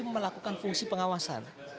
melakukan fungsi pengawasan